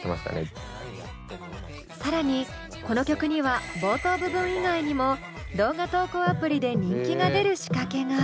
更にこの曲には冒頭部分以外にも動画投稿アプリで人気が出る仕掛けが。